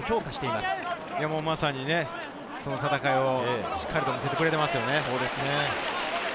まさにその戦いをしっかりと見せてくれていますよね。